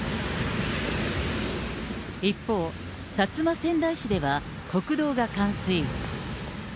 一方、薩摩川内市では、国道が冠水。